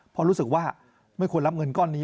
เพราะรู้สึกว่าไม่ควรรับเงินก้อนนี้